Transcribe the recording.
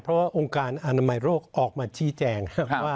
เพราะว่าองค์การอนามัยโรคออกมาชี้แจงว่า